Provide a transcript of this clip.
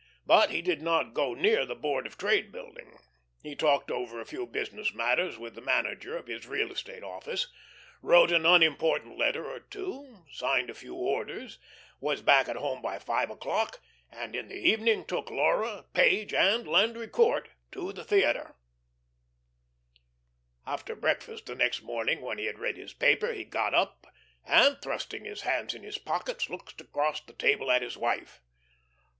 But he did not go near the Board of Trade building. He talked over a few business matters with the manager of his real estate office, wrote an unimportant letter or two, signed a few orders, was back at home by five o'clock, and in the evening took Laura, Page, and Landry Court to the theatre. After breakfast the next morning, when he had read his paper, he got up, and, thrusting his hands in his pockets, looked across the table at his wife.